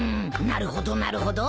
なるほどなるほど。